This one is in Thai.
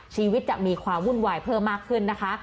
ชีวิตจะมีความวุ่นวายเพิ่มมากขึ้นนะคะ